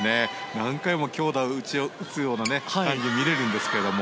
何回も強打を打つような感じに見えるんですけども。